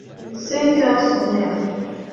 Cinq heures sonnèrent.